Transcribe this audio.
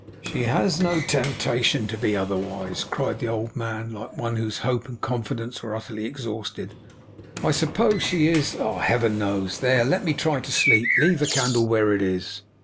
'She has no temptation to be otherwise,' cried the old man, like one whose hope and confidence were utterly exhausted. 'I suppose she is. Heaven knows. There, let me try to sleep. Leave the candle where it is.